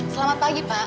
selamat pagi pak